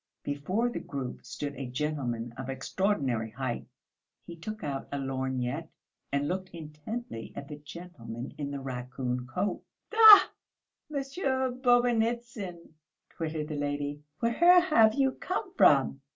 Before the group stood a gentleman of extraordinary height; he took out a lorgnette and looked intently at the gentleman in the raccoon coat. "Ah, Monsieur Bobynitsyn!" twittered the lady. "Where have you come from?